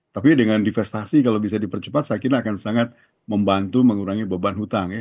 tapi dengan divestasi kalau bisa dipercepat saya kira akan sangat membantu mengurangi beban hutang ya